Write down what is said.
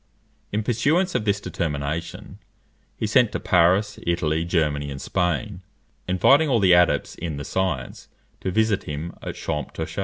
In pursuance of this determination, he sent to Paris, Italy, Germany, and Spain, inviting all the adepts in the science to visit him at Champtocé.